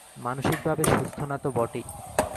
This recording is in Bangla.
মানসিকভাবে সুস্থ না তো বটেই।